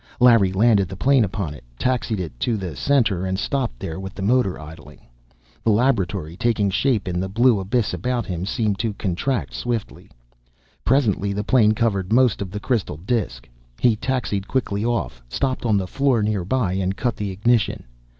Larry landed the plane upon it, taxied to the center and stopped there, with the motor idling. The laboratory, taking shape in the blue abyss about him, seemed to contract swiftly. Presently the plane covered most of the crystal disk. He taxied quickly off, stopped on the floor nearby, and cut the ignition.